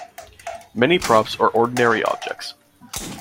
Many props are ordinary objects.